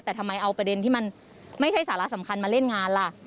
แต่ทำไมเอาประเด็นที่มันไม่ใช่สาระสำคัญมาเล่นงานล่ะ